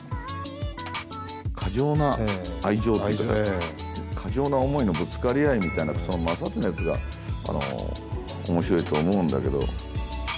過剰な愛情っていうか過剰な思いのぶつかり合いみたいなその摩擦熱が面白いと思うんだけど。